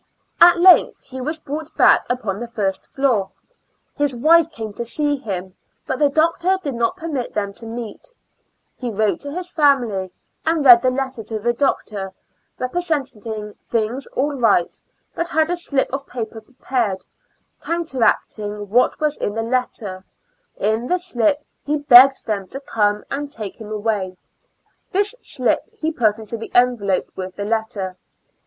At length he was brought back upon the first floor. His wife came to see him, but the doctor did not permit them to meet. He wrote to his family and read the letter to the doctor, representing things all right, but had a slip of paper prepared, counteract ing what was in the letter; in this slip he beg o:ed them to come and take him awav; this j[ 5 6 ^^^^^ Years and Four Months slip he put into the envelope with the letter.